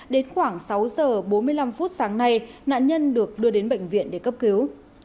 đến khoảng sáu giờ bốn mươi năm phút sáng nay nạn nhân được đưa đến bệnh viện để cấp cứu